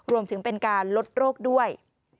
รวมถึงเป็นการลดโรคด้วย